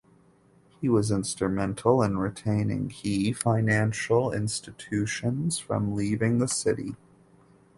He was instrumental in retaining key financial institutions from leaving the city.